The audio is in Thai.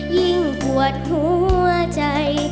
ยิ่งปวดหัวใจ